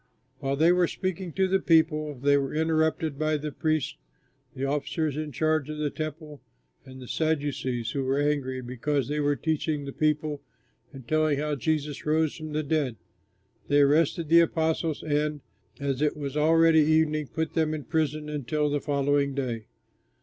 While they were speaking to the people, they were interrupted by the priests, the officer in charge of the Temple, and the Sadducees, who were angry because they were teaching the people and telling how Jesus rose from the dead. They arrested the apostles and, as it was already evening, put them in prison until the following day.